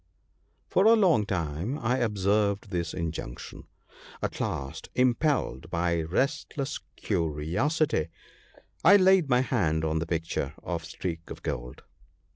' For a long time I observed this injunction ; at last, im pelled by resistless curiosity, I laid my hand on the picture of * Streak o' Gold.'